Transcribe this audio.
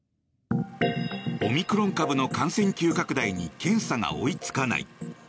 オミクロン株の感染急拡大に検査が追いつかない。